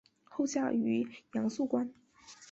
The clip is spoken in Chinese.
后嫁于杨肃观。